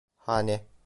Hane